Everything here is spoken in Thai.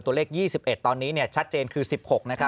ตัวเลข๒๑ตอนนี้ชัดเจนคือ๑๖นะครับ